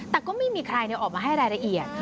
แต่ก็ไม่มีใครออกมาให้รายละเอียด